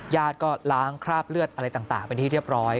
ญาติก็ล้างคราบเลือดอะไรต่างเป็นที่เรียบร้อย